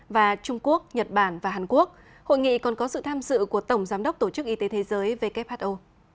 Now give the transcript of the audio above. và trung quốc nhật bản và hàn quốc hội nghị còn có sự tham dự của tổng giám đốc tổ chức y tế thế giới who